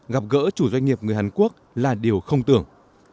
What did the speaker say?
gặp gỡ chủ doanh nghiệp người hàn quốc là điều không tưởng